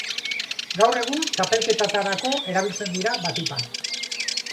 Gaur egun txapelketetarako erabiltzen dira, batik bat.